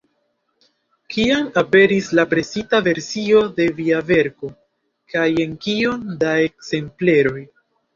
Kiam aperis la presita versio de via verko, kaj en kiom da ekzempleroj?